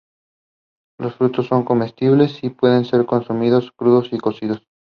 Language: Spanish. Los frutos son comestibles y pueden ser consumidos crudos o cocidos.